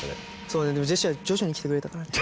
そうねでもジェシーは徐々に来てくれたからね。